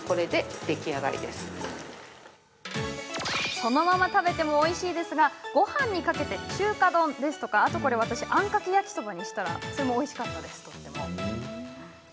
そのまま食べてもおいしいですがごはんにかけて中華丼やあんかけ焼きそばにしたらとてもおいしかったです。